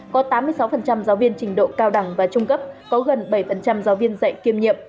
có tám mươi sáu giáo viên trình độ cao đẳng và trung cấp có gần bảy giáo viên dạy kiêm nhiệm